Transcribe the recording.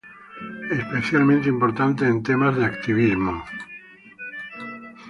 especialmente importante en temas de activismo